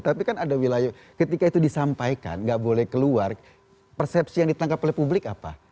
tapi kan ada wilayah ketika itu disampaikan nggak boleh keluar persepsi yang ditangkap oleh publik apa